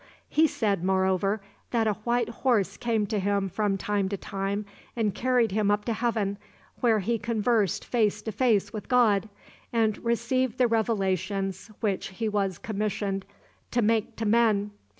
He said, moreover, that a white horse came to him from time to time and carried him up to heaven, where he conversed face to face with God, and received the revelations which he was commissioned to make to men.